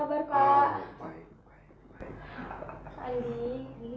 eh tapi sumpah lho andi